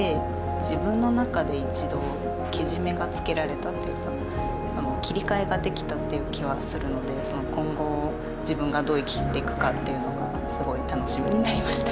自分の中で一度けじめがつけられたというか切り替えができたという気はするので今後自分がどう生きていくかというのがすごい楽しみになりました。